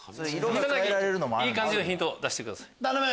草薙いい感じのヒント出してください。